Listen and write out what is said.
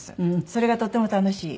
それがとても楽しい。